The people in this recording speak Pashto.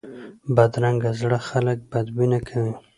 بدرنګه زړه خلک بدبینه کوي